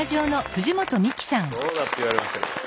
「どうだ」って言われましたけど。